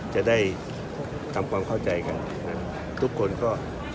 จะได้ทำความเข้าใจกันทุกคนก็